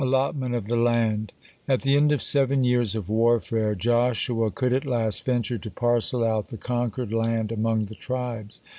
(45) ALLOTMENT OF THE LAND At the end of seven years of warfare, (46) Joshua could at last venture to parcel out the conquered land among the tribes.